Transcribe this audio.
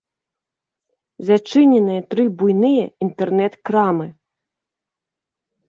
Зачыненыя тры буйныя інтэрнэт-крамы.